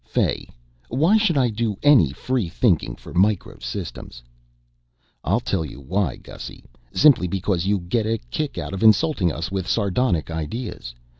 Fay, why should I do any free thinking for Micro Systems?" "I'll tell you why, Gussy. Simply because you get a kick out of insulting us with sardonic ideas.